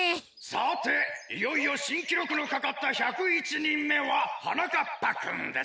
さていよいよしんきろくのかかった１０１にんめははなかっぱくんです。